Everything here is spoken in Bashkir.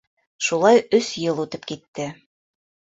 Шулай өс йыл үтеп китте.